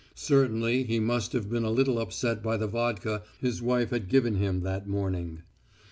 Certainly he must have been a little upset by the vodka his wife had given him that morning.